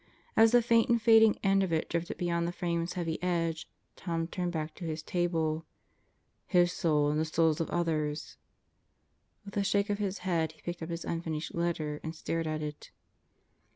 As the faint and fading end of it drifted beyond the frame's heavy edge Tom turned back to his table ... "His soul and the souls of others ..." With a shake of his head he picked up his unfinished letter and stared at it.